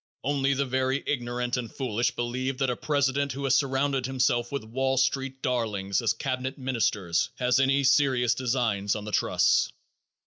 Only the very ignorant and foolish believe that a president who has surrounded himself with Wall Street darlings as cabinet ministers has any serious designs on the trusts.